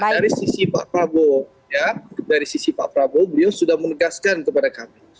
dari sisi pak prabowo dari sisi pak prabowo beliau sudah menegaskan kepada kami